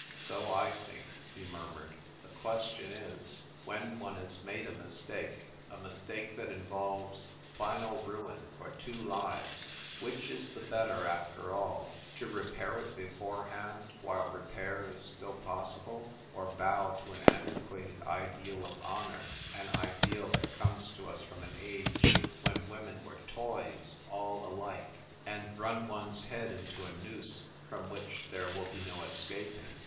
"So I thinl<," he murmured. "The ques tion is, when one has made a mistake, a mis take that involves final ruin for two lives, which is the better, after all: to repair it before hand, while repair is still possible, or bow to an antiquated ideal of honour, an ideal that comes to us from an age when women were toys, all alike, and run one's head into a noose from which there will be no escaping